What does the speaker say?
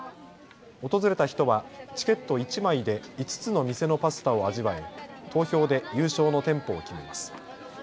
訪れた人はチケット１枚で５つの店のパスタを味わい投票で優勝の店舗を決めます。